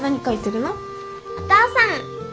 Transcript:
お父さん。